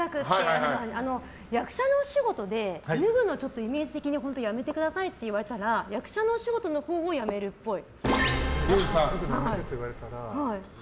役者のお仕事で脱ぐのイメージ的に本当やめてくださいって言われたら役者のお仕事のほうをやめるっぽい。